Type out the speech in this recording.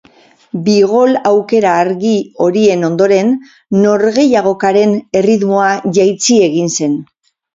Bi gol aukera argi horien ondoren norgehiagokaren erritmoa jaitsi egin zen.